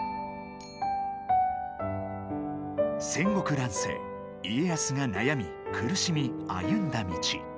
戦国乱世、家康が悩み苦しみ、歩んだ道。